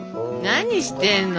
何してんの？